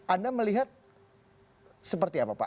anda melihat seperti apa